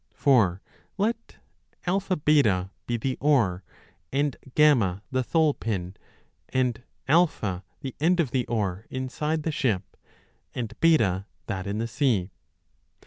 For let AB be the oar and T the thole pin, and A the end of the oar inside the ship, and B, that in the sea.